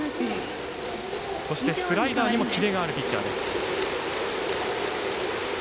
そしてスライダーにもキレがあるピッチャーです。